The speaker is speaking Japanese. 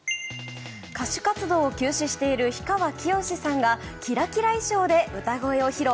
歌手活動を休止している氷川きよしさんがキラキラ衣装で歌声を披露。